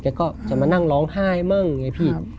ก็จะมานั่งร้องไห้มั่งไงพี่